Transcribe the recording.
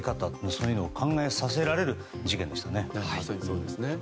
そういうのを考えさせられる事件でしたね。